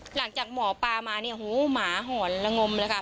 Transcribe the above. หลังจากหมอปลามาเนี่ยหูหมาหอนละงมเลยค่ะ